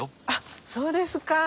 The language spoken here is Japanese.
あっそうですか。